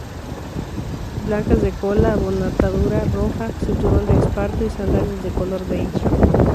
Blancas de cola, botonadura roja, cinturón de esparto y sandalias de color beige.